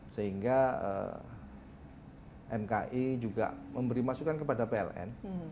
sehingga mki juga memberi masukan kepada pln